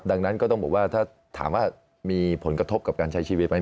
ดังนั้นก็ต้องบอกว่าถ้าถามว่ามีผลกระทบกับการใช้ชีวิตไหม